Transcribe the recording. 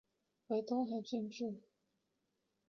为东海郡治。